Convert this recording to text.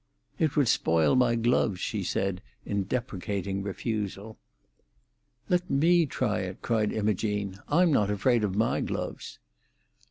"It would spoil my gloves," she said, in deprecating refusal. "Let me try it!" cried Imogene. "I'm not afraid of my gloves."